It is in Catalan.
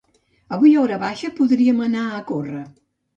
Avui horabaixa podríem anar a córrer.